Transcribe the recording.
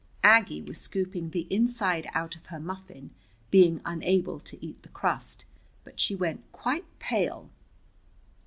Aggie was scooping the inside out of her muffin, being unable to eat the crust, but she went quite pale.